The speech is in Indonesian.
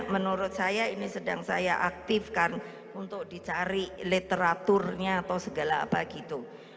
menurut saya ini sedang saya aktifkan untuk dicari literaturnya atau segala apa gitu